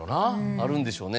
あるんでしょうね